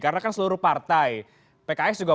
karena kan seluruh partai pks juga